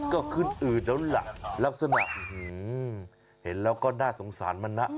ก็ขึ้นอืดแล้วล่ะลักษณะเห็นแล้วก็น่าสงสารมันนะ